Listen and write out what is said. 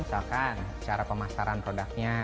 misalkan cara pemasaran produknya